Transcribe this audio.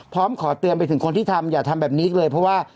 พร้อมขอเตือนไปถึงคนที่ทำอย่าทำแบบนี้อีกเลยเพราะว่า